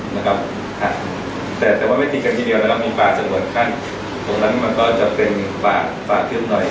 แล้วก็มีปลาส่วนขั้นตรงนั้นมันก็จะเป็นปลาปลาขึ้นหน่อย